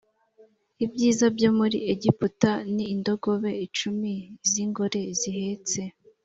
ibyiza byo muri egiputa n indogobe icumi z ingore zihetse